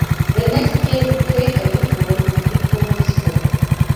The next year he played a lead role in "Beethoven's Fifth".